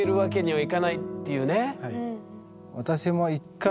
はい。